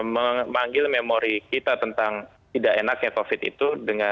memanggil memori kita tentang tidak enaknya covid itu